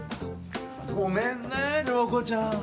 ごめんね、亮子ちゃん。